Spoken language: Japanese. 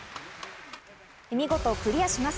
見事クリアします。